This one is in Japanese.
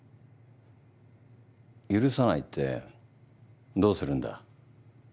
許さないってどうするんだ？